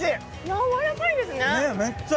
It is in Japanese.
やわらかいですね。